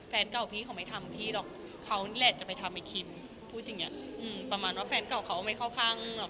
แฟนเก่าพี่เขาไม่ทำพี่หรอกเขานี่แหละจะไปทำไอ้คิมพูดอย่างเงี้ยอืมประมาณว่าแฟนเก่าเขาไม่เข้าข้างหรอก